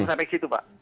belum sampai ke situ